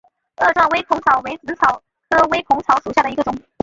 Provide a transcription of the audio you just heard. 萼状微孔草为紫草科微孔草属下的一个种。